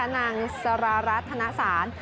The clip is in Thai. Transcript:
นางสรารัสธนาศาสตร์